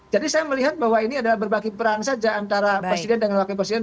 jadi saya melihat bahwa ini adalah berbagai peran saja antara presiden dan wakil presiden